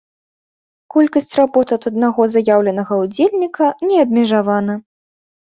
Колькасць работ ад аднаго заяўленага ўдзельніка не абмежавана.